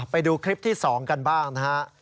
ไปดูคลิปที่สองกันบ้าง